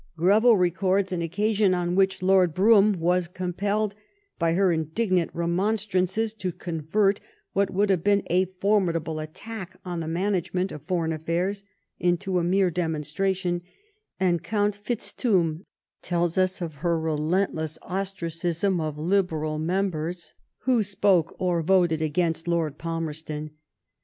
Greville records an occasion on which Lord Brougham was compelled by her indignant remonstrances to convert what would have been a formidable attack on the management of foreign affairs into a mere demonstration; and Count Yitzthum tells us of her relentless ostracism of Liberal members who spoke or voted against Lord Palmerston.